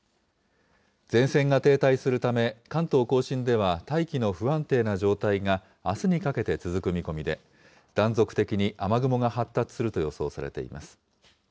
前線が停滞するため、関東甲信では大気の不安定な状態があすにかけて続く見込みで、断続的に雨雲が発達すると予想されています。